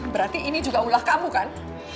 berarti ini juga ulah kamu kan